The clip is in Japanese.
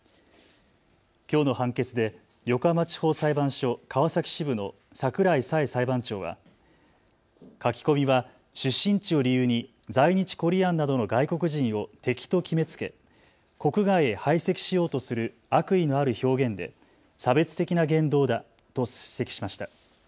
きょうの判決で横浜地方裁判所川崎支部の櫻井佐英裁判長は書き込みは出身地を理由に在日コリアンなどの外国人を敵と決めつけ国外へ排斥しようとする悪意のある表現で、差別的な言動だと指摘しました。